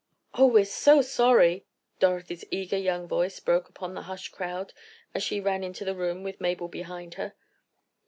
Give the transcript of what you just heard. "Oh, we're so sorry," Dorothy's eager young voice broke upon the hushed crowd, as she ran into the room, with Mabel behind her.